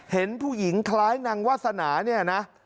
เห็นผู้หญิงคล้ายนางวาสนา